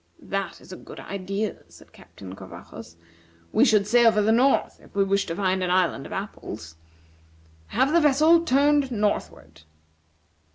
"That is a good idea," said Captain Covajos. "We should sail for the north if we wished to find an island of apples. Have the vessel turned northward."